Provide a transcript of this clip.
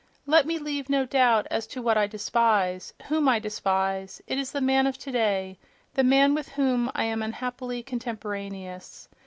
Let me leave no doubt as to what I despise, whom I despise: it is the man of today, the man with whom I am unhappily contemporaneous.